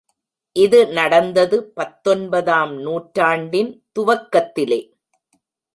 இது நடந்தது பத்தொன்பதாம் நூற்றாண்டின் துவக்கத்திலே.